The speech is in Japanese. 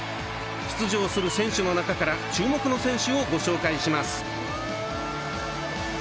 出場する選手の中から注目の選手をご紹介します！